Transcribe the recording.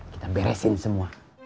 kita beresin semua